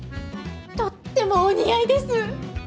とってもお似合いです！